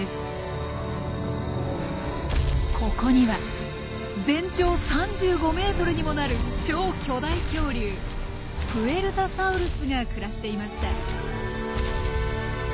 ここには全長３５ｍにもなる超巨大恐竜プエルタサウルスが暮らしていました。